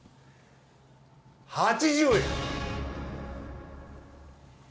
８０円。